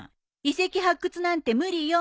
遺跡発掘なんて無理よ。